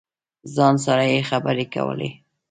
ځان سره یې خبرې کولې.